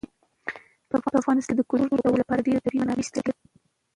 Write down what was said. په افغانستان کې د کلتور د ودې لپاره ډېرې طبیعي منابع شته دي.